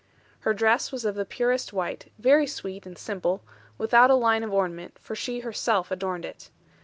Her dress was of the purest white, very sweet and simple, without a line of ornament, for she herself adorned it.